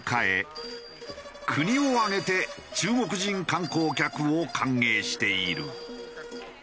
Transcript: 国を挙げて中国人観光客を歓迎している。